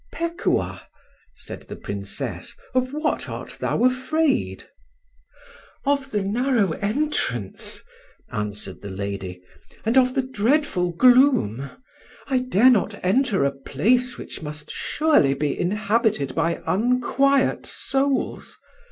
"Pekuah," said the Princess, "of what art thou afraid?" "Of the narrow entrance," answered the lady, "and of the dreadful gloom. I dare not enter a place which must surely be inhabited by unquiet souls.